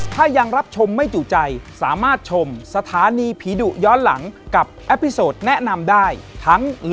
เค้ารู้จักกันมา๔ปีแล้วนะตอง